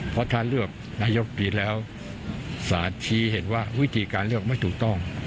เพราะถ้าเลือกนายกดีแล้วสารชี้เห็นว่าวิธีการเลือกไม่ถูกต้อง